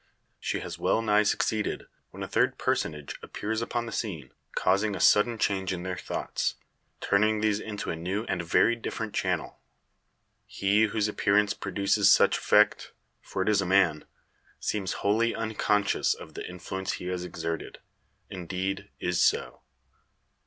She has well nigh succeeded, when a third personage appears upon the scene, causing a sudden change in their thoughts, turning these into a new and very different channel. He whose appearance produces such effect for it is a man seems wholly unconscious of the influence he has exerted; indeed, is so.